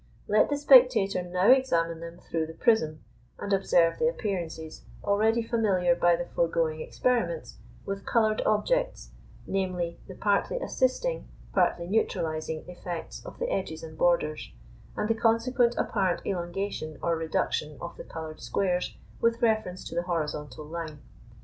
Let the spectator now examine them through the prism, and observe the appearances, already familiar by the foregoing experiments, with coloured objects, namely, the partly assisting, partly neutralising effects of the edges and borders, and the consequent apparent elongation or reduction of the coloured squares with reference to the horizontal line.